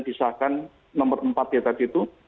disahkan nomor empat ya tadi itu